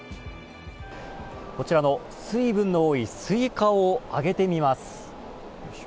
こちらの水分の多いスイカを揚げてみます。